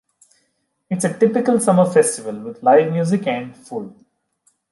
It is a typical summer festival with live music and food.